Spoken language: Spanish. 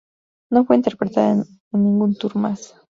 No fue interpretada en ningún tour más.